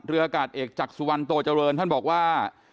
อากาศเอกจากสุวรรณโตเจริญท่านบอกว่า